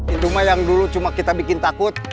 ini rumah yang dulu cuma kita bikin takut